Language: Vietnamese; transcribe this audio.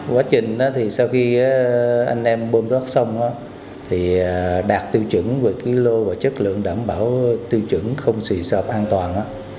quá trình sau khi anh em bơm rớt xong đạt tiêu chuẩn về ký lô và chất lượng đảm bảo tiêu chuẩn không xì sợp an toàn